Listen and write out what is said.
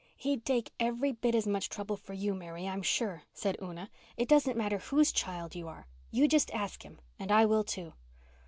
"He'd take every bit as much trouble for you, Mary, I'm sure," said Una. "It doesn't matter whose child you are. You just ask Him—and I will, too."